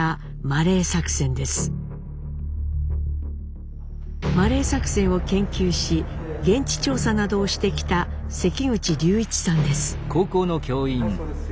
マレー作戦を研究し現地調査などをしてきた関口竜一さんです。